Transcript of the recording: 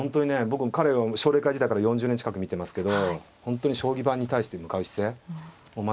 僕彼が奨励会時代から４０年近く見てますけど本当に将棋盤に対して向かう姿勢全くぶれがないですよね。